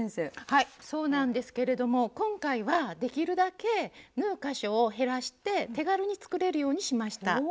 はいそうなんですけれども今回はできるだけ縫う箇所を減らして手軽に作れるようにしました。